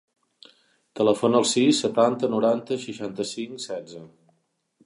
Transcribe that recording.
Telefona al sis, setanta, noranta, seixanta-cinc, setze.